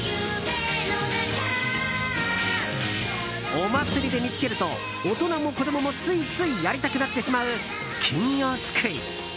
お祭りで見つけると大人も子供もついついやりたくなってしまう金魚すくい。